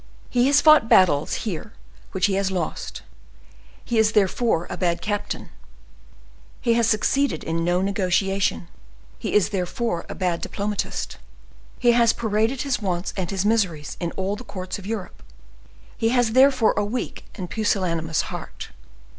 He has fought battles here which he has lost, he is therefore a bad captain; he has succeeded in no negotiation, he is therefore a bad diplomatist; he has paraded his wants and his miseries in all the courts of Europe, he has therefore a weak and pusillanimous heart.